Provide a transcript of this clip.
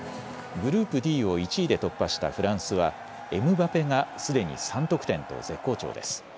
グループＤを１位で突破したフランスはエムバペがすでに３得点と絶好調です。